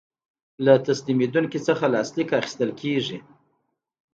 له تسلیمیدونکي څخه لاسلیک اخیستل کیږي.